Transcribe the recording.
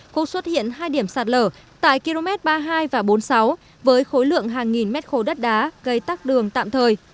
cũng xuất hiện hai điểm sạt lở tại km ba mươi hai và bốn mươi sáu với khối lượng hàng nghìn mét khối đất đá gây tắc đường tạm thời